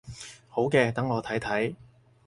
好嘅，等我睇睇